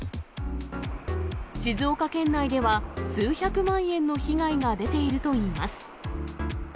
静岡県内では数百万円の被害が出ているといいます。